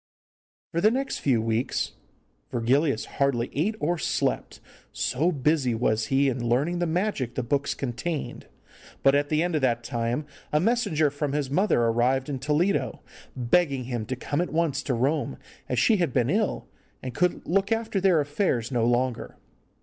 For the next few weeks Virgilius hardly ate or slept, so busy was he in learning the magic the books contained. But at the end of that time a messenger from his mother arrived in Toledo, begging him to come at once to Rome, as she had been ill, and could look after their affairs no longer.